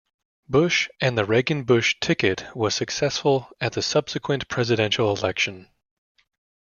Bush, and the Reagan-Bush ticket was successful at the subsequent presidential election.